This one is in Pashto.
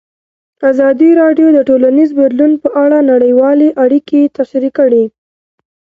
ازادي راډیو د ټولنیز بدلون په اړه نړیوالې اړیکې تشریح کړي.